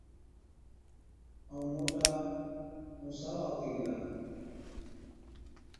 ائُون موٽا ائُون ساوا هُتِي گيلا۔